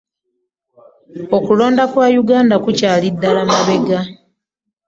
Okulonda kwa uganda kukyali ddala mabega.